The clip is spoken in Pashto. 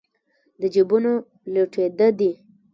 د جېبونو لوټېده دي